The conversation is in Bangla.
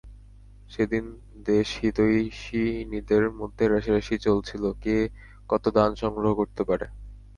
সেদিন দেশহিতৈষিণীদের মধ্যে রেষারেষি চলছিল,– কে কত দান সংগ্রহ করতে পারে।